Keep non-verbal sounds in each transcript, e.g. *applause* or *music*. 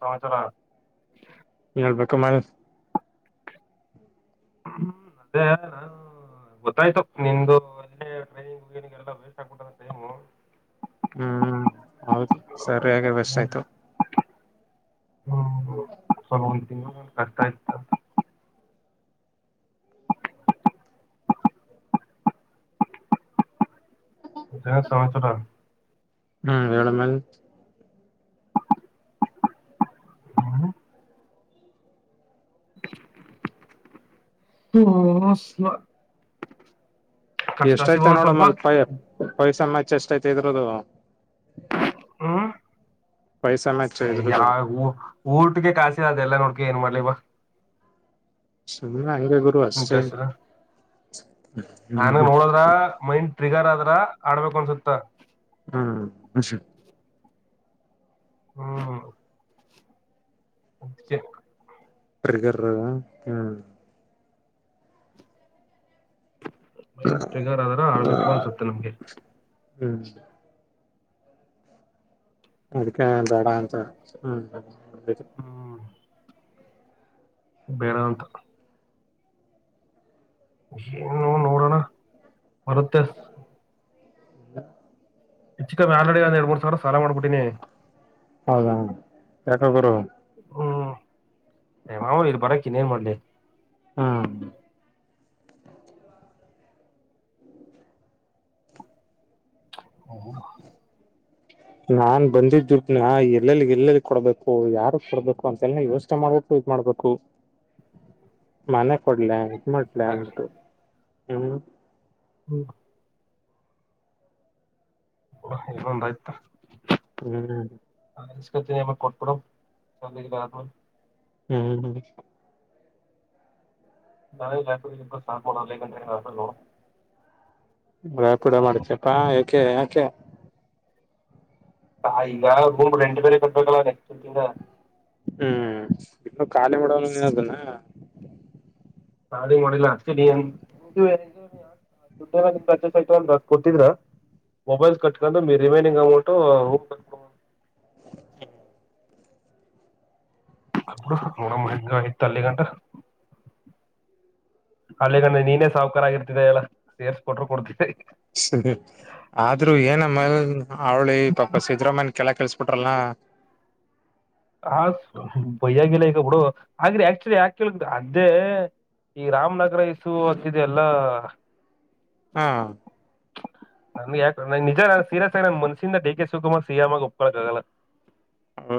ಸಮಾಚಾರ ಕಮಲ್ ಹ್ಮ್ ಅದೇ ನಾ ಗೊತ್ತಾಯ್ತು ನಿ್ದು ಅೇ ಟ್ರೈನಿಂಗ್ನಿಗೆಲ್ಲ ವೇಸ್ಟ್ ಆಗ್ಬಿಟ್ಟದ ಟೈಮು ಹ್ಮ್ ಹೌದು ಸರಿಯಾಗಿ ವೆಸ್ಟ್ ಆಯ್ತು ಹ್ಮಲ ಒಂತಿನ ಕರ್ತ ಆಯ್ತ *unintelligible* ದ ಸಮಚರ ಹ್ಮ್ ಏಳಮ್ಮಲ್ ತೋಸ ಎಷ್ಟಯ್ತ ನೋಡ ಮಳೆ ಪಾಯ *inaudible* ಚಸ್ತಟ್ ಇದ್ರುದ್ದು ಹ್ಮ್ ಪೈಸಾ ಮ್ಯಾಚ್ ಇದ್ರದು ಯಾವ ಊಟಕ್ಕೆ ಕಾಸಿ ಅದೆಲ್ಲಾ ನೋಡ್ಕ ಏನ್ ಮಾಡತಿ ಲೇಬರ್ ಹ ಅಂಗೇ ಗುರು ಅಷ್ಟೇ ನಾನು ಹ್ಮ್ ನೋಡದ್ರ ಮೈಂಡ್ ಟ್ರಿಗರ್ ಆದ್ರ ಆಡ್ಬೇಕ್ ಅನ್ಸುತ್ತಾ ಹ್ಮ್ ಹ್ಮ್ ಹ್ಮ *inaudible* ಪರಿಗ್ರಹ ಮೈಂಡ್ ತ್ರಿಗರ್ ಆದ್ರೆ ಆಡ್ಬೇಕು ಅನ್ಸುತ್ತೆ ನಮಗೆ ಹ್ಮ್ ಅದಕ್ಕೆಾ *inaudible* ಹ್ಮ್ ಬೇಡ ಅಂತ *inaudible* ಇಲ್ಲ *inaudible* ಹೆಚ್ಚಕ್ಕಮ್ಮ ಆಲ್ಡಿ ಒಂದ ಎರಡ್ ಮೂರ್ ಸಾವಿರ ಸಾಲ ಮಾಡ್ಬಿಟ್ಟೀಿನಿ *inaudible* ಹೌದಾ ಯಾಕ ಗರು *inaudible* ಹ್ಮ್ ಮಾವುೂ ಇ ಬರಕ್ಕಿ ನೀೇನು ಮಾಡಲಿ *inaudible* ಹ್ಮ ಹ್ಮ *inaudible* ನಾನ್ ಬಂದಿದ್ದು ನ ಎಲ್ಲೆಲ್ಲಿ ಎಲ್ಲೆಲ್ಲಿ ಕೊಡ್ಬೇಕು ಮಾಡ್ಲ ಹ ಹ್ಮ್ ಹ ಏನೊಂದ ಆಯ್ತ *inaudible* ಹ್ಮ್ *inaudible* ಕೊಟ್ಬಿಡಪ್ಪ ಹ್ಮ್ ಹ್ಮ್ ನಳೆ ವ್ಯಾಪ ಇ ಸಪಡಲ್ಲಗ ವ್ಯಾಪ *inaudible* ಬ್ರ ಪಿಡ ಮಾಡಚಪ್ಪಾ ಅೆ *inaudible* ಹ ಈಗ ಮುಂಬು ರೆಂಟು ಬೇರೆ ಕಟ್ಬೇ ಹ್ಮ್ ಇನ್ನು ಖಾಲಿ ಮಾಡೋಲ್ಲ ನೀದನಾ *inaudible* *inaudible* ನ ಮಾಡಿಲ್ಲ ಆ ಕೊತಿದ್ರ ನೋಡ ಹೆಂಗಯತ್ತು ಅಲ್ಲಿ ಗಂಂಡ ಹಲ್ಲಿಗಂಡ ಸ ಆದ್ರೂ ಏನಮ್ಮ ಅವಳಿ ಪಾಪ ಸಿದರಾಮ್ಯನ ಕೆಳ ಕೆಲ್ಸಬಿಟ್ರಲ್ನ *inaudible* ಹ ಬಯ್ಯಾಗಿಲ್ಲ ಈಕ ಬಿಡು ಆದ್ರೆ ಆಕ್ಚುಲಿ ಯಾಕ ಕೇಳ ಅದ್ದೇ ಈ ರಾಮನಗರ ಇಸು ಹಾಕಿದೆ ಎಲ್ಲಾ ಹಾ ನನ್ಗೆ ಯಾಕ ನಿಜ ನ ಸೀರಸ್ ಆಗ ನ ಮನ್ಸಿಂದ ಡಿ ಕೆ ಶಿವಕುಮಾರ್ ಸರಾಮಗ ಒಪ್ಕಳಕ್ ಆಗಲ್ಲ ಹೌ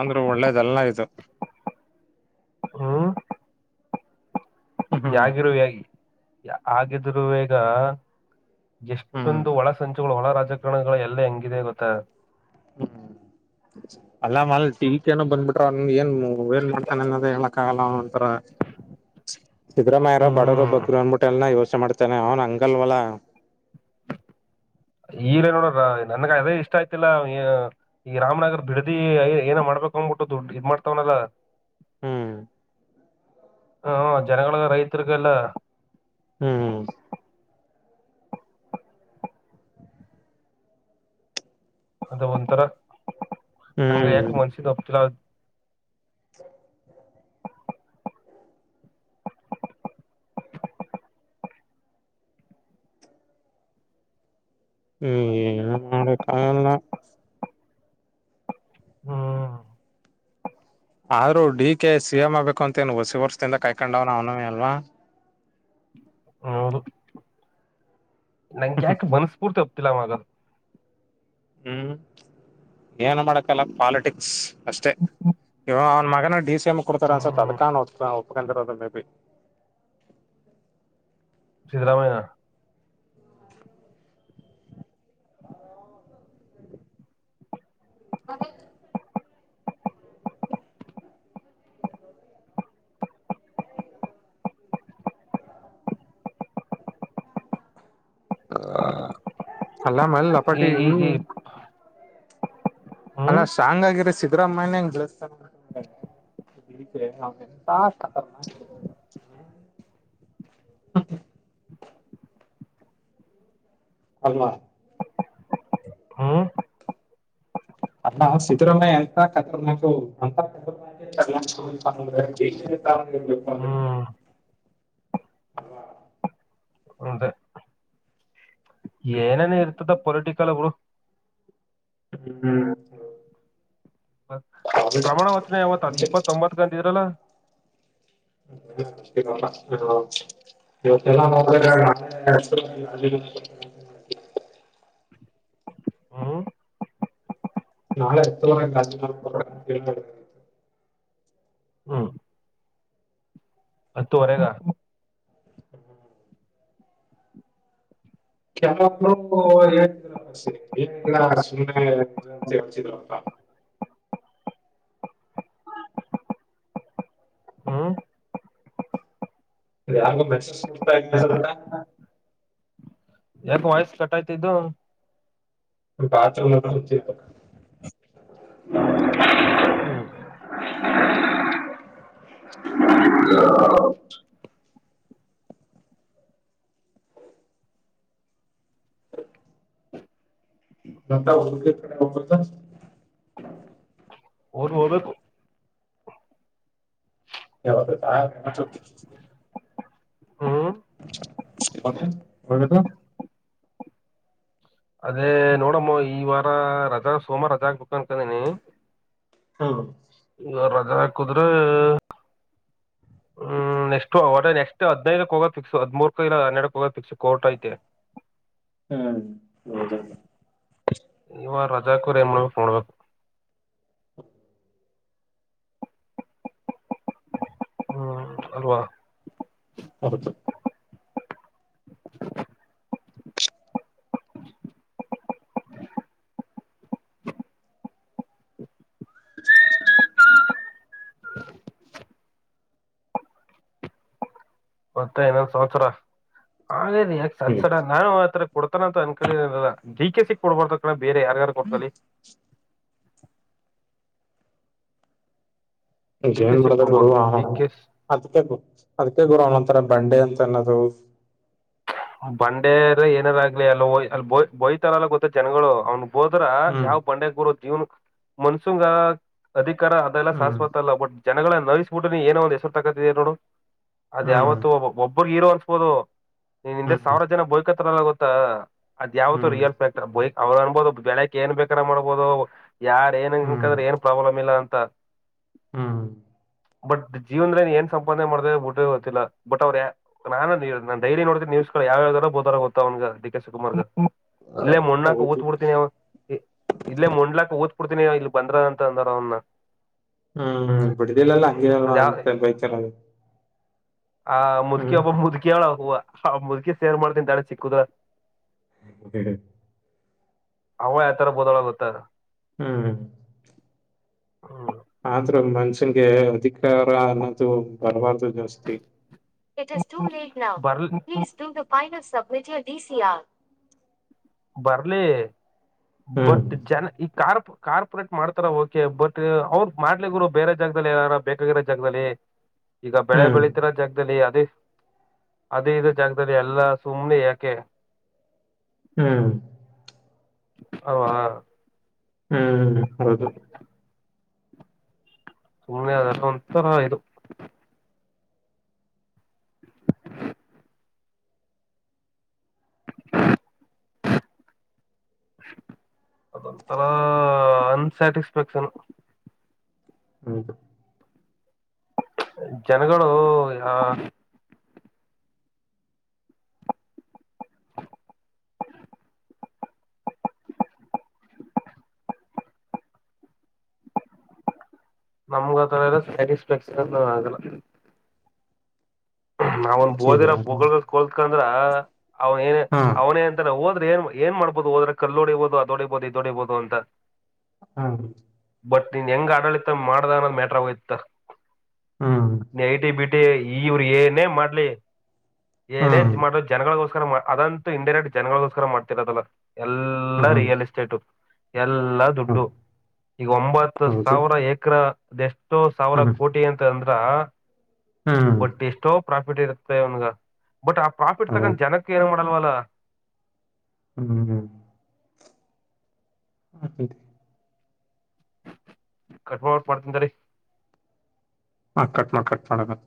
ಅಂದ್ರರು ಒಳ್ಳೇದಲ್ಲನ ಇ್ು ಹ್ಮ ಹ್ಮ್ ಯಾಗಿಿರುವೋ ಯಾಗಿ ಆಗಿದ್್ರೇಗ ಹ್ಮ್ ಎಷ್ಟೊಂದು ಒಳ ಸಂಚ ಹೊಳ ರಾಜಕಾರಣಗಳ ಎಲ್ಲೇ ಹೆಂಗಿದೆ ಗೊತ್ತೆ ಹ್ಮ್ ಅಲ್ಲ ಮಲ್ ಟೀಿಕ ಏನ ಬಂದ್ಬಿಟ್ರ ಅವನ್ ಏನ್ ಏನ್ ಮಾಡ್ತಾನ ಅನ್ನೋದ ಹೇಳಕ್ಕಾಗಲ್ಲ ಅವ್ನು ಸಿದ್ದರಾಮಯ್ಯರ ಬಡವರು ಹ್ಮ್ ಒಬ್ಬರು ಅಂದ್ಬಿಟ್ಟ ಎಲ್ಲನ ಯೋ ಇಷ್ಟ ಮಾಡ್ತಾನೆ ಅವನು ಅಂಗಲ್ವಲ ಈಗೇ ನೋಡ ನನ್ಗ ಅದೇ ಇಷ್ಟ ಆಯತಿಲ್ಲ ಈ ರಾಮನಗರ್ ಬಿಡ್ದಿ ಏನ ಮಾಡ್ಬೇಕು ಅನ್್ಬಿಟ್ಟು ದುಡ್ಡು ಇದ್ ಮಾಡ್ತವನಲ್ಲ ಹ್ಮ್ ಹಾ ಜನಗಳ ರೈತರಿರಿಗೆಲ್ಲ ಹ್ಮ್ ಹ್ಮ ಅದ ಒಂಥರ ಹಂಗ ಯಾ ಹ್ಮ್ ಮನ್ಸೀಗ ಒಪ್ಪ್ತಿಲ್ಲ ಹ್ಮ್ ಏನು ಮಾಡಕ್ಕಗಲ್ಲ ಹ್ಮ ಆದ್ರೂ ಡಿ ಕೆ ಸಿ ಎಂ ಆಗ್ಬೇಕು ಅಂತೇನು ಹೊಸಿ ವರ್ಷದಿಂದ ಕಾಯ್ಕೊಂಡವ್ನ ಅವನವೇ ಅಲ್ವಾ ಹೌದು ನಂಗ ಯಾಕೆ ಮನಸ್ಪೂರ್ತಿ *unintelligible* ಹ್ಮ್ ಏನು ಮಾಡಕಲ್ಲ ಪಾಲಿಟಿಕ್ಸ್ ಅಷ್ಟೇ ಇವ ಮಗನ ಡಿಸಿ ಕೊಡ್ತಾರೆ ಅನ್ಸ ಹ್ಮ್ ಅದಕ ನೋಡ್ತಾ *unintelligible* *unintelligible* ಮೇ ಬಿ *unintelligible* ಸಿದ್ರಾಮಯ್ಯ *unintelligible* ಹ ಅಲ್ಲಾಮಲ್ಲ ಈ ಅಪ್ಪಟ್ಟಿ ಈ ಹ ಈ ಅಲ್ಲ ಹ್ಮ್ ಶಾಂಗ್ ಆಗಿರ ಸಿಕ್ತ ಸಿದ್ರಾಮಯ್ಯನೆ ಹಿಂಗ್ ಬಿಲ್ಸ್ತಾನೆ ಅಂದ್ರೆ ಅಮ್ಮ ಹ್ಮ್ ಅಲ್ಲ ಸಿದ್ದರಾಮ್ಯ ಎಂತ ಹ್ಮ್ *unintelligible* ಏನೇನ ಇರ್ತದ ಪೊಲಿಟಿಕ್ ತಲವು ಹ್ಮ್ ಪ್ರಮಾಣ ವಚನ ಯಾವತ್ ಅದ್ ಇಪ್ಪತ್ತೊಂಬತ್ಗ್ ಅಂತಿದ್ರಲ. *unintelligible* ಇವತ್ತೇಲ್ಲ ನೋಡಿದ್ರೆ *unintelligible* ಹ್ಮ್ *unintelligible* ಹ್ಮ್ ಹತ್ತುವರೆಗ *unintelligible* ಸುಮ್ಮನೆ *unintelligible* ಹೇಳ್ತಿದ್ರಪ್ಪ *unintelligible* ಹ್ಮ್ ಯಾರ್ದೋ ಮೆಸೇಜ್ *unintelligible* ಯಾಕೊ ವಾಯ್ಸ್ ಕಟ್ಟಾಯ್ತಿದ್ದು ಬಾತ್ ರೂಮೆಲ್ಲ ಉಜ್ಜಿರ್ಬೆಕ್ ಹ್ಮ *inaudible* *inaudible* *unintelligible* ಅವ್ರ್ ಹೋಬೇಕು *unintelligible* ಹ್ಮ್ *unintelligible* ಒಳ್ಳೇದು ಅದೇ ನೋಡಮ್ಮ ಈ ವಾರ ರಜಾ ಸೋಮಾರ ರಜಾ ಹಾಕ್ಬಕ್ ಅನ್ ಕಂಡಿನಿ. ಹೌದು ಈ ರಜಾ ಹಾಕುದ್ರೆ ಹ್ಮ ನೆಕ್ಸ್ಟ್ ಹೊಟೆ ನೆಕ್ಸ್ಟ್ ಹದ್ನೈದಕ್ ಹೋಗದ್ ಫಿಕ್ಸ್ ಹದ್ಮೂರ್ಕ ಇಲ್ಲ ಹನ್ನೆರಡಕ್ ಹೋಗದ್ ಫಿಕ್ಸ್. ಕೋರ್ಟ್ ಐತೆ ಹ್ಮ್ ಹೌದೌದು ನೀವ ರಜಾಕೂರ್ ಎನ್ ಮಾಡ್ಬೇಕ್ ನೋಡ್ಬೇ *inaudible* ಹ್ಮ ಅಲ್ವಾ ಹೌದು *inaudible* *unintelligible* ಮತ್ತೆ ಇನ್ನೇನ್ ಸಮಾಚಾರ *unintelligible* ಯಾಕ್ ಸದ್ ಹ್ಮ್ ಸಡ ನಾನು ಆರ ಕೊಡ್ತಾನಂತ ಅನ್ಕಂಡೆ ಇರ್ಲಿಲ್ಲ. ಡಿ ಕೇ ಸಿ ಗ್ ಕೊಡ್ಬಾರ್ *unintelligible* ಬೇರೆ ಯಾರ್ಗಾರು ಕೊಟ್ಕಲಿ. ಡಿ ಕೆ ಜೇನ್ ಸಿ ಬಿಡದ ಗುರು ಕೊಡ್ಬಾರ್ದು ಹ ಡಿ ಕೆ ಸಿ ಅದ್ಕು ಅದ್ಕ ಗುರು ಅವನೊಂತರ ಬಂಡೆ ಅಂತ ಅನ್ನೋದು. ಬಂಡೇರ ಏನಾರಾಗ್ಲಿ ಅಲ್ಲ ಓಯ್ ಅಲ್ ಬೋ ಬೋಯ್ತಾರಲ್ಲ ಗೊತ್ತ ಜನಗಳು ಅವ್ನು ಹೋದ್ರ ಹ್ಮ್, ಯಾವ ಬಂಡೆ ಗುರು ಇವ್ನು ಮನ್ಸೂಂಗ ಅಧಿ ಕಾರ ಅದೆಲ್ಲ ಹ್ಮ್, ಶಾಸ್ವತ ಅಲ್ಲ ಬಟ್ ಜನಗಳ ನವಸ್ಬಿಟ್ಟು ನೀ ಏನೋ ಒಂದ್ ಹೆಸರು ತಕತಿದಿಯಾ ನೋಡು ಅದ್ ಹ್ಮ್, ಯಾವತ್ತು ಹೋಬ ಒಬ್ಬರ್ ಹೀರೋ ಅನ್ಸ್ಬೋದು. ನೀನ್ ಹಿಂದೆ ಹ್ಮ್, ಸಾವಿರ ಜನ ಬೋಯ್ಕತ್ರಲ್ಲ ಗೊತ್ತಾ ಅದ ಯಾವತ್ತು ಹ್ಮ್, ರಿಯಲ್ ಫ್ಯಾಕ್ಟರ್ ಬೈ ಅವ್ರು ಅನ್ಬೋದು ಬೆಳಕ್ ಏನ್ ಬೇಕಾರ ಮಾಡಬೋದು ಯಾರ ಏನ್ ಇಂಕ್ ಹ್ಮ್, ಅಂದ್ರ್ ಏನು ಪ್ರಾಬ್ಲಮ್ ಇಲ್ಲ ಅಂತ ಹ್ಮ್. ಬಟ್ ಜೀವನ ಏನ್ ಸಂಪಾದನೆ ಮಾಡ್ತ ಬಿಟ್ಟ ಗೊತ್ತಿಲ್ಲ ಬಟ್ ಅವ್ರ ನಾನು ನಾನ್ ಡೈರಿ ನೋಡ್ತಿರ್ ನ್ಯೂಸ್ ಗಳ್ ಯಾವ್ಯಾವ್ತರ ಬೋತಾರೆ ಗೊತ್ತ ಅವ್ನ್ ಗೆ ಡಿ ಕೇ ಶಿವಕುಮಾರ್ಗೆ. ಇಲ್ಲೇ ಮಣ್ಣಕ್ ಹೌದು ಊತ್ ಬಿಡ್ತೀನಿ ಅವ ಎ ಇಲ್ಲೇ ಮುಣ್ಲಾಕ್ ಹೂತ್ ಬಿಡ್ತೀನಿ ಇಲ್ ಬಂದ್ರ ಅಂತ ಅಂದಾರ ಅವ್ನ. ಹ್ಮ್ ಬಿಡ್ದಿಲ್ಲೆಲ್ಲ ಹಂಗೆ *unintelligible* ಅದ್ಯಾವ್ ಅಂತ ಬೈತಾರಲ್ ಆ ಮುದುಕಿ ಒಬ್ಬ ಮುದುಕಿಯಳ ಹೂವ. ಹ ಮುದುಕೀ ಶೇರ್ ಮಾಡ್ತಿನ್ ತಡಿ ಸಿಕ್ಕುದ್ರೆ. ಬಿಡು ಅವ ಯಾ ತರ ಬೋದಾಳ ಗೊತ್ತೇನು ಹ್ಮ್ ಹ್ಮ್ ಆದ್ರು ಅವ್ನ್ ಮನ್ಸ್ ಗೆ ಅಧಿಕಾರ ಅನ್ನೋ ಬರ್ಲಿ *inaudible* ದೀಿಸಿಯಾ ಬರ್ಲ ಹ್ಮ್ ಬಟ್ ಜನ ಈ ಕಾರಾರ್ ಕಾರ್ಪೋರೇಟ್ ಮಾಡ್ತಾರ ಓಕೆ ಬಟ್ ಅವರು ಮಾಡ್ಲಿರು ಬೇರೆ ಜಾಗದಲ್ಲಿಾರ ಬೇಕ ಬೇರೆ ಜಾಗದಲ್ಲಿ ಈಗ ಬೆಳೆ ಹ್ಮ್ ಬೆಳೀತಿರ ಜಾಗದಲ್ಲಿ ಅದೇ ಅದೇ ಇದ ಜಾಗದಲ್ಲಿ ಎಲ್ಲಾ ಸುಮ್ನೆ ಯಾಕೆ ಹ್ಮ್ ಹಾ ಹ್ಮ್ ಹೌದು ಸುಮ್ಮ್ನೆ ಅ ಒಂತರ ಇದು ಅದೊಂಥರ ಅನ್ಸ್ಯಾಟಿಸ್ಫ್ಯಾಕ್ಷನ್ ಹೌದುು ಜನಗಳು ಆ ಹ ನಮಗಥರ ಎಲ್ಲ ಸ್ಯಾಟಿಸ್ಫ್ಯಾಕ್ಷನ್ ಆಗಲ್ಲ ನಾವಂದ ಬಓೋದಿರ ಇದೆಯಾ ಬೊಗಳ ಕೋಲ್ತ್ಕಂದ್ರ ಹಾ ಅವನ ಏನ ಹಾ ಅವ್ನೇಂತ ಹೋದ ಏನ್ ಏನ್ ಮಾಡಬೋುದು ಹೋದ್ರ ಕಲ್ಲಲ್ೋಡಿಬಹುದು ಅದುೋಡಿಬೋುದು ಇದದುೋಡಿಬೋುದು ಅಂತ ಹಾ ಬಟ್ ನೀನ್ ಹೆಂಗ್ ಆಡಳಿತ ಮಾಡ್ದ ಅನ್ನದ್ ಮ್ಯಾಟ್ರ ಆಗೋಯ್ತ ಹ್ಮ್ ನೈಟ ಬಿಟ್ಟ ಈ ಏನೇ ಮಾಡ್ಲಿ ಏನೇಜ್ ಹ್ಮ್ ಮಾಡೋ ಜನಗಳಗೋಸ್ ಸ್ ಅದಂತೂ ಇಡೈರೆಕ್ಟ್ ಜನಗಳಿೋಸ್ರ್ತಿರದಲ್ಲ ಎಲ್ಲಾ ಹ್ಮ್ ರಿಯಲ್ ಎಸ್ಟೇಟು ಎಲ್ಲ ದುಡ್ಡು ಈಗ ಒಂಬತ್ತು ಹೌದು ಸಾವಿರ ಎಕ್ರ ಅದೆಷ್ಟಟ್ ಎ ಸಾವಿರ ಕೋಟಿ ಅಂತ ಅಂದ್ರೆ ಹಾ ಹಾ ಪ್ರಾಫಿಟ್ ಇರುತ್ತೆ ಅವನ್ಗ ಬಟ್ ಆ ಪ್ರಾಫಿಟ್ ತೊಂಡು ಹೌದು ಜನಕ್ಕೆ ಏನ್ ಮಾಡ ವ ಹ್ಮ್ ಹ್ಮ್ ಹ *unintelligible* ಹಾ ಕಟ್ ಮಾಡ್ ಕಟ್ ಮಾಡೋನಾ.